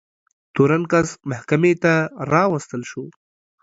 تورن کس محکمې ته راوستل شو.